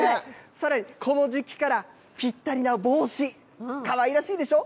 さらにこの時期からぴったりな帽子、かわいらしいでしょ？